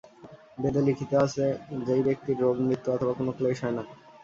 বেদে লিখিত আছে, সেই ব্যক্তির রোগ, মৃত্যু অথবা কোন ক্লেশ হয় না।